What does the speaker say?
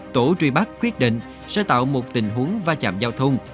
tổ truy bắt quyết định sẽ tạo một tình huống va chạm giao thông